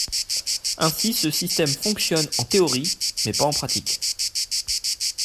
Ainsi, ce système fonctionne en théorie, mais pas en pratique.